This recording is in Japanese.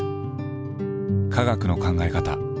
科学の考え方